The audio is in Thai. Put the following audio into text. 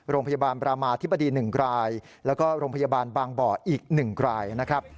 โรงพยาบาลบรามาธิบดี๑รายแล้วก็โรงพยาบาลบางบ่ออีก๑รายนะครับ